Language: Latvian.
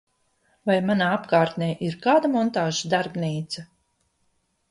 Vai manā apkārtnē ir kāda montāžas darbnīca?